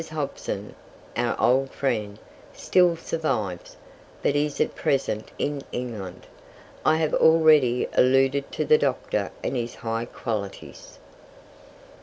Hobson, our old friend, still survives, but is at present in England. I have already alluded to the Doctor and his high qualities. 1850.